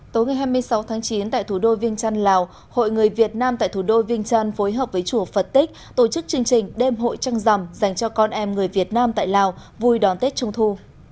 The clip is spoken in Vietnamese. tối ngày hai mươi sáu tháng chín tại thủ đô viên trăn lào hội người việt nam tại thủ đô viên trăn phối hợp với chùa phật tích tổ chức chương trình đêm hội trăng rằm dành cho con em người việt nam tại lào vui đón tết trung thu